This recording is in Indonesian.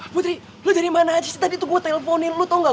putri lo dari mana aja sih tadi tuh gue teleponin lo tau gak